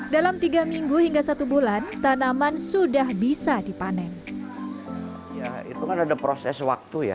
dalam tiga minggu hingga satu hari